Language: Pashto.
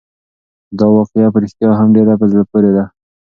دا واقعه په رښتیا هم ډېره په زړه پورې ده.